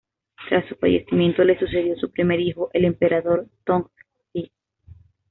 Tras su fallecimiento, le sucedió su primer hijo el emperador Tongzhi.